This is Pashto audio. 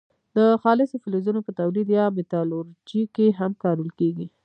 د خالصو فلزونو په تولید یا متالورجي کې هم کارول کیږي.